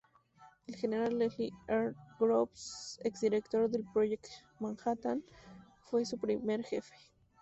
El general Leslie R. Groves, ex director del Proyecto Manhattan, fue su primer jefe.